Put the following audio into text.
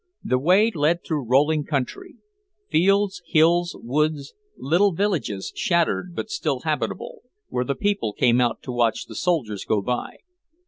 The way led through rolling country; fields, hills, woods, little villages shattered but still habitable, where the people came out to watch the soldiers go by.